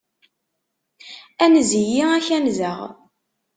Anez-iyi, ad k-anzeɣ.